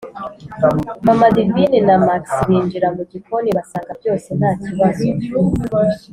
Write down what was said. mama divine na max binjira mugikoni basanga byose ntakibazo,